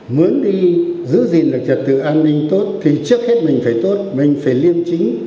muốn đi giữ gìn được trật tự an ninh tốt thì trước hết mình phải tốt mình phải liêm chính